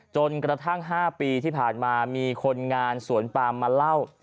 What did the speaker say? จนกระทั่ง๕ปีที่ผ่านมามีคนงานสวนปามมาเล่า